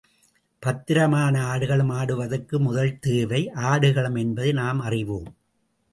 பத்திரமான ஆடுகளம் ஆடுவதற்கு முதல் தேவை ஆடுகளம் என்பதை நாம் அறிவோம்.